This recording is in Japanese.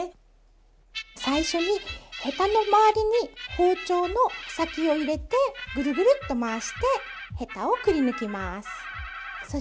最初にヘタの周りに包丁の先を入れてぐるぐるっと回してヘタをくりぬきます。